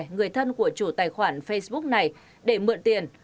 người thân của chủ tài khoản facebook này để mượn tiền